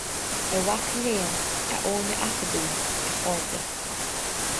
A mhaca léinn, a fhoirne acadúil, a chairde,